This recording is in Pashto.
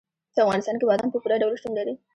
په افغانستان کې بادام په پوره ډول شتون لري.